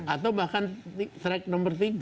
atau bahkan track nomor tiga